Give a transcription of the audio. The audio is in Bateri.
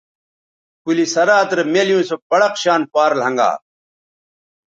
پلِ صراط رے مِیلیوں سو پڑق شان پار لھنگا